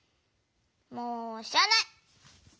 もうしらない！